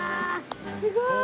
すごい。